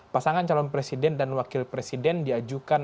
pasangan calon presiden dan wakil presiden diajukan